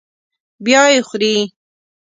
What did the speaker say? بیا یې خوري.